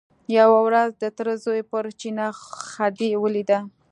یوه ورځ د تره زوی پر چینه خدۍ ولیده.